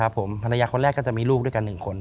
ผมภรรยาคนแรกก็จะมีลูกด้วยกัน๑คน